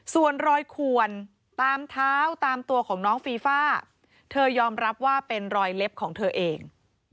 ส่วนรอยขวนตามเท้าตามตัวของน้องฟีฟ่าเธอยอมรับว่าเป็นรอยเล็บของเธอเอง